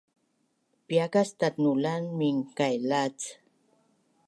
Piia kas tatnulan mingkailac?